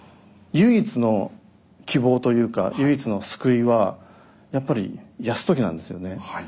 唯一の希望というか唯一の救いはやっぱり泰時なんですよね。